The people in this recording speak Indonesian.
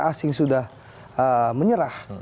asing sudah menyerah